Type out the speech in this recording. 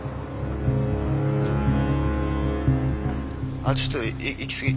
あっちょっと行き過ぎ。